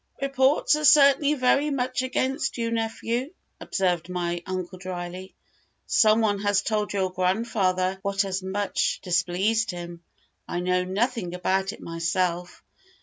"Reports are certainly very much against you, nephew," observed my uncle dryly. "Some one has told your grandfather what has much displeased him. I know nothing about it myself."